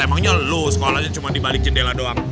emangnya lu sekolahnya cuma dibalik jendela doang